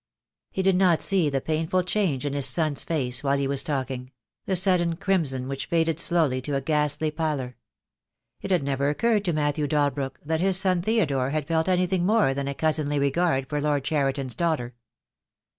He did not see the painful change in his son's face while he was talking: the sudden crimson which faded slowly to a ghastly pallor. It had never occurred to Matthew Dalbrook that his son Theodore had felt any thing more than a cousinly regard for Lord Cheriton's daughter.